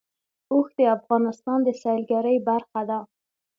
اوښ د افغانستان د سیلګرۍ برخه ده.